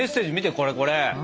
これこれ。